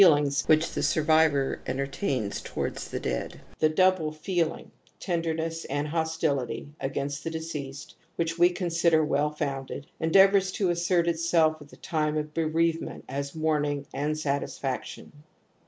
^^^o|ections^^of_hos^^ which thfisiffviYor entertains towards thedeadL /"^ Tne double feeling — tenderness anHTiostnity — against the deceased, which we consider well , founded, endeavours to assert itself at the time of bereavement a^ mourning and satisfaction.